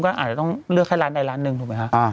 ก็อาจจะต้องเลือกให้ร้านใดร้านหนึ่งถูกไหมคะ